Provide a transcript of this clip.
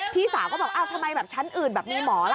พี่สาวก็บอกอ้าวทำไมแบบชั้นอื่นแบบมีหมอล่ะ